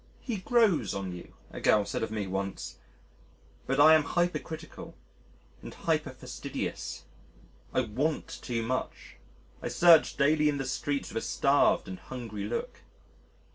"He grows on you," a girl said of me once. But I am hypercritical and hyperfastidious. I want too much.... I search daily in the streets with a starved and hungry look.